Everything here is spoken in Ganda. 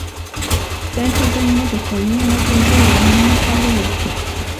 Ssente z’emmotoka ngenda kuziwa bannakawempe.